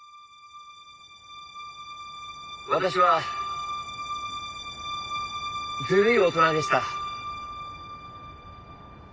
私はずるい大人でした。